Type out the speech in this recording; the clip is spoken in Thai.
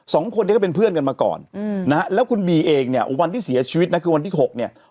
สองคนนี้ก็เป็นเพื่อนกันมาก่อนอืมนะฮะแล้วคุณบีเองเนี่ยวันที่เสียชีวิตนะคือวันที่หกเนี่ย